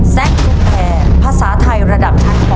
แซคชุมแพรภาษาไทยระดับชั้น๘